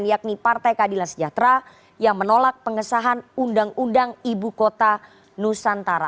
yakni partai keadilan sejahtera yang menolak pengesahan undang undang ibu kota nusantara